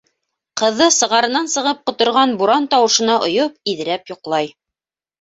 Ҡыҙы сығырынан сығып ҡоторған буран тауышына ойоп, иҙерәп йоҡлай.